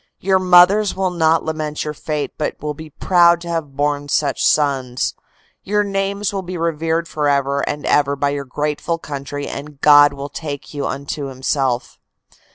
Your mothers will not lament your fate but will be proud to have borne such sons. Your names will be revered forever and ever by your grateful country and God will take you unto Himself.